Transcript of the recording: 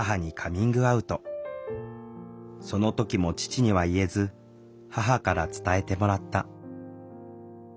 その時も父には言えず母から伝えてもらった。